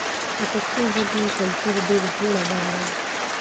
د پښتو ژبې کلتور ډېر زوړ او بډای دی.